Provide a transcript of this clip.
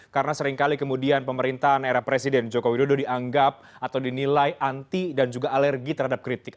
karena seringkali kemudian pemerintahan era presiden joko widodo dianggap atau dinilai anti dan juga alergi terhadap kritik